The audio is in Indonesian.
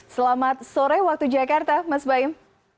selamat sore waktu jakarta mas baim